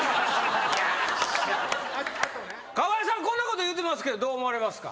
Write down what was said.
川合さんこんなこと言うてますけどどう思われますか？